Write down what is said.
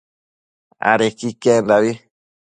adequi iquendabi